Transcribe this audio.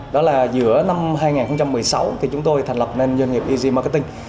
đó là giữa năm hai nghìn một mươi sáu thì chúng tôi thành lập nên doanh nghiệp easy marketing